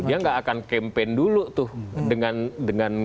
dia nggak akan campaign dulu tuh dengan